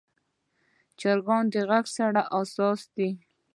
چرګان د غږ سره حساس دي.